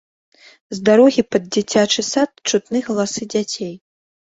З дарогі пад дзіцячы сад чутны галасы дзяцей.